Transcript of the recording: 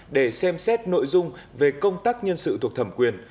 để xem xét nội dung về công tác nhân sự thuộc thẩm quyền